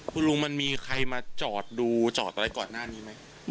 คุณลุงมันมีใครมาจอดดูจอดอะไรก่อนหน้านี้ไหม